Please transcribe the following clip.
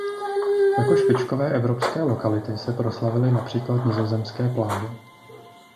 Jako špičkové evropské lokality se proslavily například nizozemské pláže.